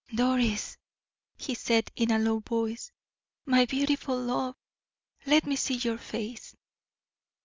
"Doris," he said, in a low voice; "my beautiful love, let me see your face."